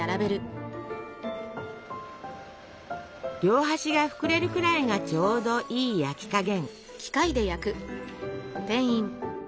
両端が膨れるくらいがちょうどいい焼き加減。